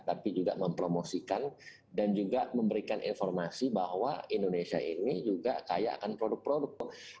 tapi juga mempromosikan dan juga memberikan informasi bahwa indonesia ini juga kaya akan produk produk